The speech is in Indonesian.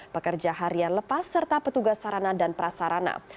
pekerja harian lepas serta petugas sarana dan prasarana